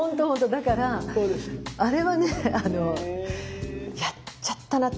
だからあれはねやっちゃったなっていうか。